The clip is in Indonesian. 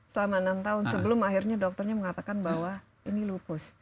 selama enam tahun sebelum akhirnya dokternya mengatakan bahwa ini lupus